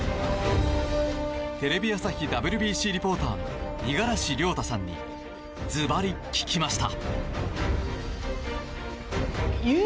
テレビ朝日ＷＢＣリポーターの五十嵐亮太さんにズバリ聞きました。